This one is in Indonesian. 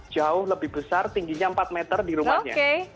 jauh lebih besar tingginya empat meter di rumahnya